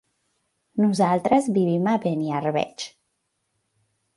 Nosaltres vivim a Beniarbeig.